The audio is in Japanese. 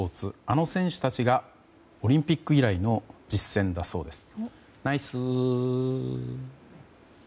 あの選手たちがオリンピック以来の実戦だそうです。